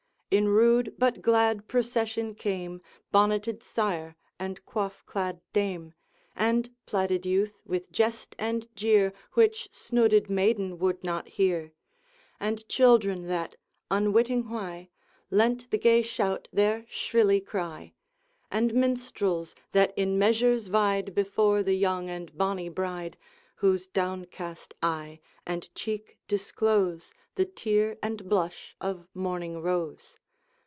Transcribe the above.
In rude but glad procession came Bonneted sire and coif clad dame; And plaided youth, with jest and jeer Which snooded maiden would not hear: And children, that, unwitting why, Lent the gay shout their shrilly cry; And minstrels, that in measures vied Before the young and bonny bride, Whose downcast eye and cheek disclose The tear and blush of morning rose.